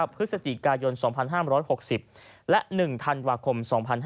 พฤศจิกายน๒๕๖๐และ๑ธันวาคม๒๕๕๙